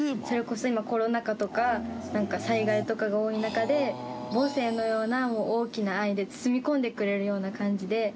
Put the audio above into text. それこそ、今コロナ禍とか災害とかが多い中で母性のような大きな愛で包み込んでくれるような感じで。